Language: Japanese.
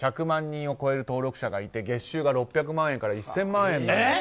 １００万人を超える登録者がいて月収が６００万円から１０００万円。